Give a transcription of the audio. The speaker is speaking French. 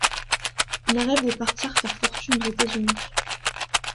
Il rêve de partir faire fortune aux États-Unis.